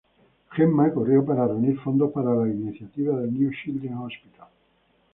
Gemma corrió para reunir fondos para la iniciativa del New Children's Hospital.